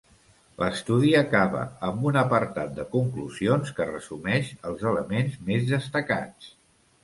L'estudi acaba amb un apartat de conclusions que resumeix els elements més destacats.